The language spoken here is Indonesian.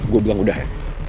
gue bilang udah ya